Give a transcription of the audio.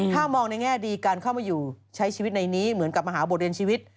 ถ้ามองในแง่ดีการเข้ามาอยู่ใช้ชีวิตในนี้เหมือนกับมหาบทเรียนชีวิต